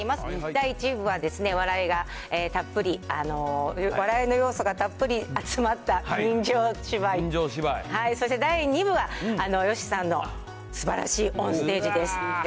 第１部は、笑いがたっぷり、笑いの要素がたっぷり詰まった人情芝居、そして第２部は吉さんのすばらしいオンステージです。